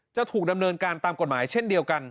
จะถูกดำเนินการตามกฎหมายเช่นเดียวกัน